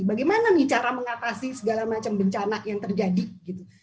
bagaimana nih cara mengatasi segala macam bencana yang terjadi gitu